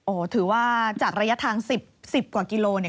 โอ้ถือว่าจากระยะทาง๑๐กว่ากิโลกรัม